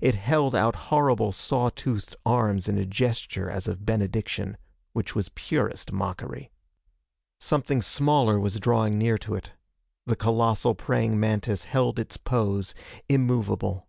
It held out horrible sawtoothed arms in a gesture as of benediction which was purest mockery. Something smaller was drawing near to it. The colossal praying mantis held its pose, immovable.